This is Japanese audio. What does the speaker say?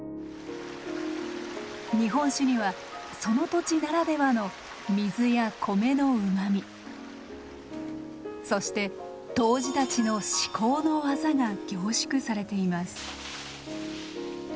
日本酒にはその土地ならではの水や米のうまみそして杜氏たちの至高の技が凝縮されています。